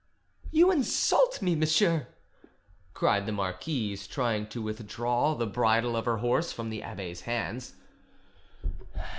"You insult me, monsieur!" cried the marquise, trying to withdraw the bridle of her horse from the abbe's hands.